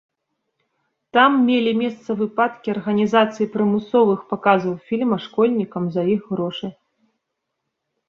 Там мелі месца выпадкі арганізацыі прымусовых паказаў фільма школьнікам за іх грошы.